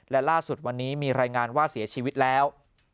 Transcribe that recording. และล่าสุดวันนี้มีรายงานว่าเสียชีวิตแล้ว